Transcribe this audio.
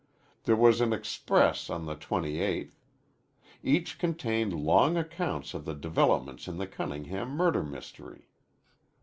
There was an "Express" of the twenty eighth. Each contained long accounts of the developments in the Cunningham murder mystery.